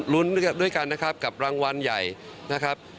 รุ้นด้วยกันนะครับกับรางวัลใหญ่นะครับ